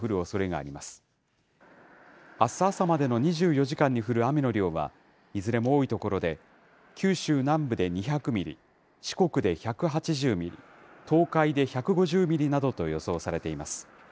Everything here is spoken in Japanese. あす朝までの２４時間に降る雨の量は、いずれも多い所で九州南部で２００ミリ、四国で１８０ミリ、東海で１５０ミリなどと予想されています。